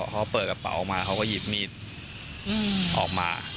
เขาเปิดกระเป๋ามาเขาก็หยิบมีดออกมา